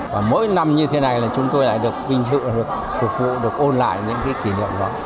và mỗi năm như thế này là chúng tôi lại được vinh dự được phục vụ được ôn lại những cái kỷ niệm đó